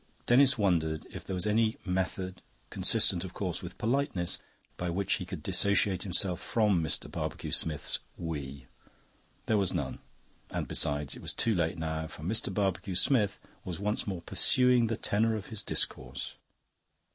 Denis wondered if there was any method, consistent, of course, with politeness, by which he could dissociate himself from Mr. Barbecue Smith's "we." There was none; and besides, it was too late now, for Mr. Barbecue Smith was once more pursuing the tenor of his discourse.